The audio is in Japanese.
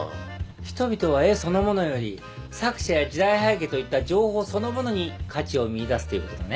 人々は絵そのものより作者や時代背景といった情報そのものに価値を見いだすということだね？